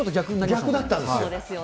逆だったんですよ。